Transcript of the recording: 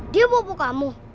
dia bapak kamu